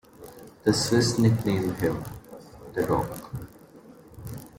The Swiss nicknamed him The Rock.